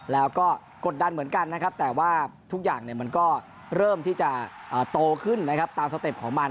แล้วก็กดดันเหมือนกันนะครับแต่ว่าทุกอย่างมันก็เริ่มที่จะโตขึ้นนะครับตามสเต็ปของมัน